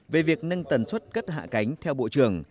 về việc nâng tần suất cất hạ cánh theo bộ trưởng